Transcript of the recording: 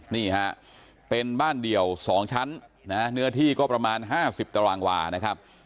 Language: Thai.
นี่ฮะเป็นบ้านเดี่ยว๒ชั้นนะเนื้อที่ก็ประมาณ๕๐ตารางวานะครับ